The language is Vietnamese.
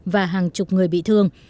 và hàng chục người bị thương